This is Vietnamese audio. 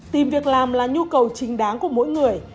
tìm việc làm là nhu cầu chính đáng của mỗi người